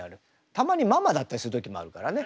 たまにママだったりする時もあるからね。